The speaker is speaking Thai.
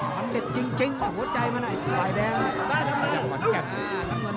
มันเด็ดจริงหัวใจมันไอ้ฝ่ายแดง